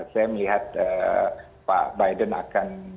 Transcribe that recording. saya melihat pak biden akan